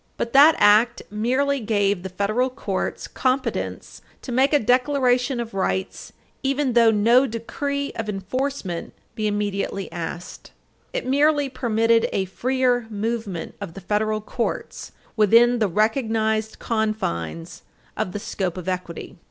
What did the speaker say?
But that Act merely gave the federal courts competence to make a declaration of rights, even though Page 328 U. S. 552 no decree of enforcement be immediately asked. It merely permitted a freer movement of the federal courts within the recognized confines of the scope of equity.